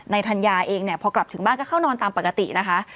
ธัญญาเองเนี่ยพอกลับถึงบ้านก็เข้านอนตามปกตินะคะ